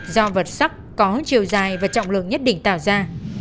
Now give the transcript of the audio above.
do vật sắc có chiều dài và trọng lượng nhất định tạo ra